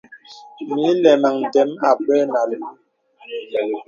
Mə ilɛmaŋ ndə̀m àbə̀ nə alúú.